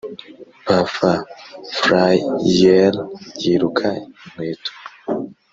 pf flyer yiruka inkweto,